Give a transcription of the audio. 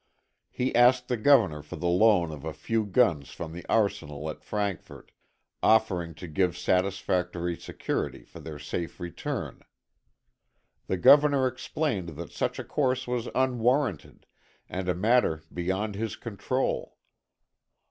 He asked the Governor for the loan of a few guns from the arsenal at Frankfort, offering to give satisfactory security for their safe return. The Governor explained that such a course was unwarranted and a matter beyond his control.